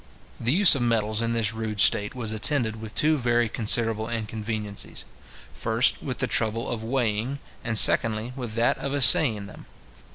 The use of metals in this rude state was attended with two very considerable inconveniences; first, with the trouble of weighing, and secondly, with that of assaying them.